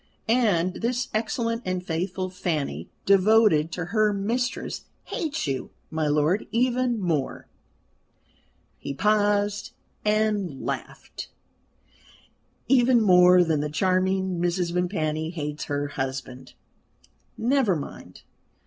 And this excellent and faithful Fanny, devoted to her mistress, hates you, my lord, even more" he paused and laughed "even more than the charming Mrs. Vimpany hates her husband. Never mind.